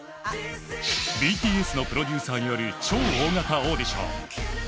ＢＴＳのプロデューサーによる超大型オーディション。